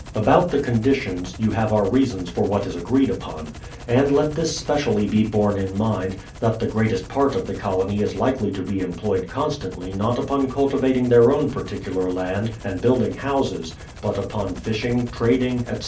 About the conditions, you have our reasons for what is agreed upon. And let this specially be borne in mind; that the greatest part of the colony is likely to be emplo3ed constantly not upon cultivating their own particular land, and building houses, but upon fishing, trading, etc.